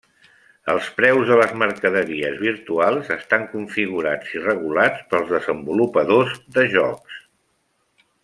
Els preus de les mercaderies virtuals estan configurats i regulats pels desenvolupadors de jocs.